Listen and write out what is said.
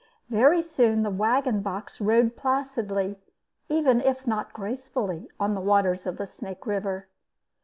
Very soon the wagon box rode placidly, even if not gracefully, on the waters of the Snake River.